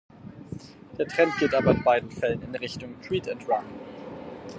Der Trend geht aber in beiden Fällen in Richtung "Treat and Run".